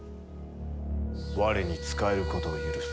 我に仕えることを許す。